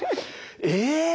え。